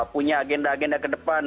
punya agenda agenda ke depan